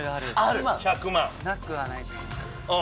なくはないと思います。